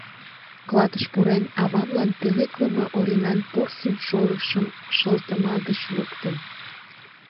Клатыш пурен, авамлан пӧлеклыме Оринан порсын шовычшым шылтыма гыч луктым.